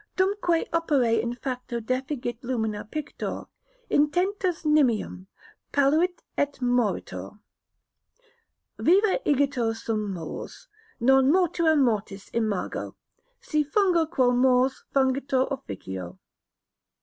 Dumque opere in facto defigit lumina pictor, Intentus nimium, palluit et moritur. Viva igitur sum mors, non mortua mortis imago, Si fungor quo mors fungitur officio.